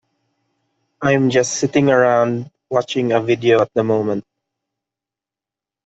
I'm just sitting around watching a video at the moment.